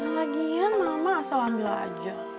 lagian mama asal ambil aja